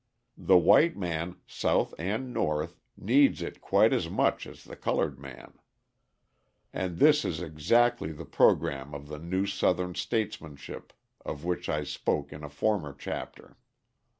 The white man, South and North, needs it quite as much as the coloured man. And this is exactly the programme of the new Southern statesmanship of which I spoke in a former chapter.